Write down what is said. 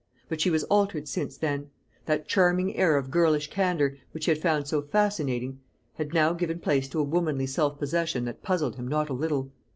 But she was altered since then: that charming air of girlish candour, which he had found so fascinating, had now given place to a womanly self possession that puzzled him not a little.